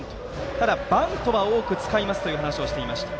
ただ、バントは多く使いますと話していました。